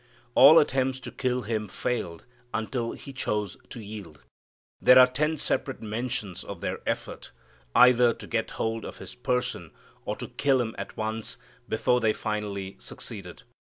All attempts to kill Him failed until He chose to yield. There are ten separate mentions of their effort, either to get hold of His person or to kill Him at once before they finally succeeded.